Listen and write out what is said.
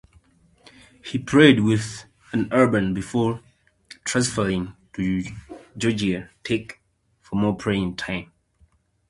He played with Auburn before transferring to Georgia Tech for more playing time.